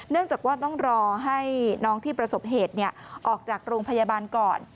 จากว่าต้องรอให้น้องที่ประสบเหตุออกจากโรงพยาบาลก่อน